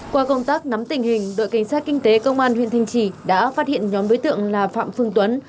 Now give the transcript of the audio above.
qua công tác nắm tình hình đội cảnh sát kinh tế công an huyện thanh trì đã phát hiện nhóm đối tượng là phạm phương tuấn